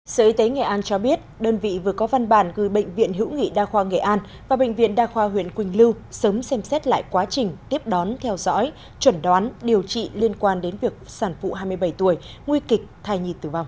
sở y tế nghệ an cho biết đơn vị vừa có văn bản gửi bệnh viện hữu nghị đa khoa nghệ an và bệnh viện đa khoa huyện quỳnh lưu sớm xem xét lại quá trình tiếp đón theo dõi chuẩn đoán điều trị liên quan đến việc sản phụ hai mươi bảy tuổi nguy kịch thai nhị tử vong